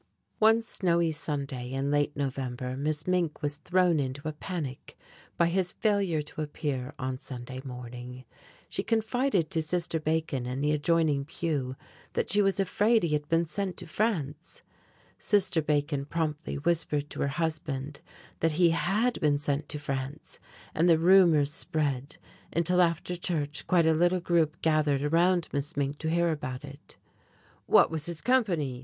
One snowy Sunday in late November Miss Mink was thrown into a panic by his failure to appear on Sunday morning. She confided to Sister Bacon in the adjoining pew that she was afraid he had been sent to France. Sister Bacon promptly whispered to her husband that he had been sent to France, and the rumor spread until after church quite a little group gathered around Miss Mink to hear about it. "What was his company?"